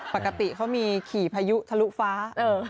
ปกติเขามีขี่พายุทะลุฟ้า